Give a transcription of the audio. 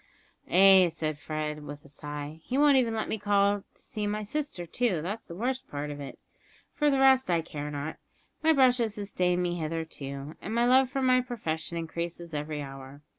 "Ay," said Fred, with a sigh, "he won't even let me call to see my sister too that's the worst of it. For the rest I care not; my brush has sustained me hitherto, and my love for my profession increases every hour.